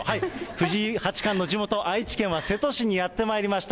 藤井八冠の地元、愛知県は瀬戸市にやってまいりました。